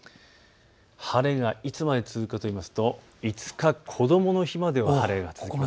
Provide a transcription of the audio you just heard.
晴れがいつまで続くかといいますと、５日、こどもの日までは晴れが続く。